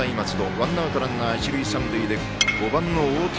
ワンアウト、ランナー一塁三塁で５番の太田。